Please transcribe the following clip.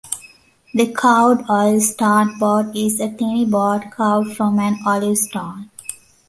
The "Carved Olive-stone Boat" is a tiny boat carved from an olive stone.